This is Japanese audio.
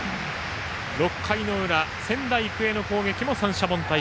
６回の裏、仙台育英の攻撃も三者凡退。